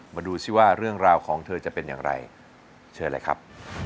มาดูซิว่าเรื่องราวของเธอจะเป็นอย่างไรเชิญเลยครับ